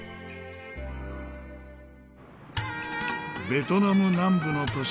ベトナム南部の都市